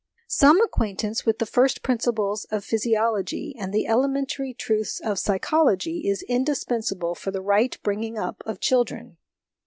... Some acquaintance with the first principles of physi ology and the elementary truths of psychology is indispensable for the right bringing up of children.